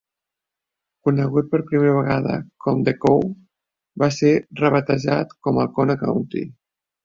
Conegut per primera vegada com The Cove, va ser rebatejat com Alcona County.